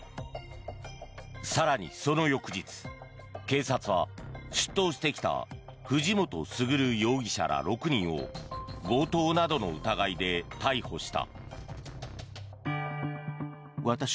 更にその翌日、警察は出頭してきた藤本傑容疑者ら６人を強盗などの疑いで逮捕した。